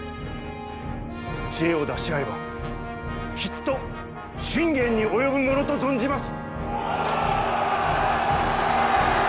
知恵を出し合えばきっと信玄に及ぶものと存じます！